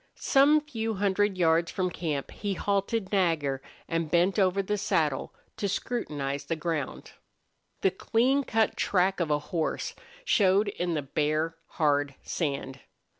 Some few hundred yards from camp he halted Nagger and bent over in the saddle to scrutinize the ground. The clean cut track of a horse showed in the bare, hard sand.